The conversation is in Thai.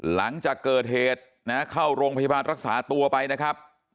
หลังจากเกิดเหตุนะเข้าโรงพยาบาลรักษาตัวไปนะครับ